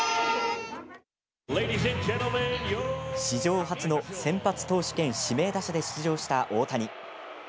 史上初の先発投手兼指名打者で出場した大谷。